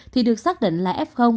thì được xác định là f